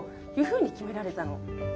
ふうに決められたの。